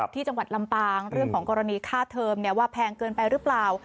ที่จังหวัดลำปางเรื่องของกรณีค่าเทอมว่าแพงเกินไปหรือเปล่า